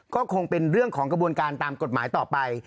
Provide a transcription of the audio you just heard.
ก็คงเป็นเรื่องของกระบวนการตามกฎหมายต่อไป